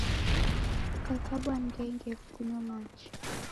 Kukakabwa ni ngengefu kunyo machi.